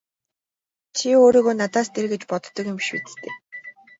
Чи өөрийгөө надаас дээр гэж боддог юм биш биз дээ!